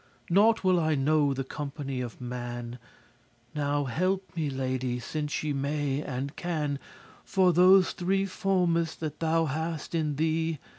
Nought will I know the company of man. Now help me, lady, since ye may and can, For those three formes <68> that thou hast in thee.